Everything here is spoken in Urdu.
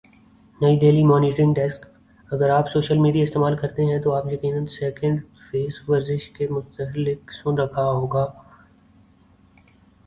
نئی دہلی مانیٹرنگ ڈیسک اگر آپ سوشل میڈیا استعمال کرتے ہیں تو آپ یقینا سیکنڈ فیس ورزش کے متعلق سن رکھا ہو گا